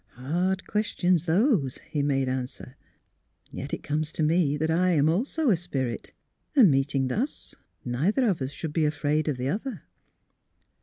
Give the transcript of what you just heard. "Hard questions, those," he made answer. *' Yet it comes to me that I also am a spirit; and meeting thus, neither should be afraid of the other."